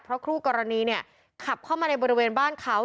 เพราะคู่กรณีเนี่ยขับเข้ามาในบริเวณบ้านเขา